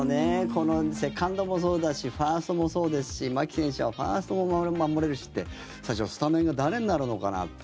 このセカンドもそうだしファーストもそうですし牧選手はファーストも守れるしって最初、スタメンが誰になるのかなって。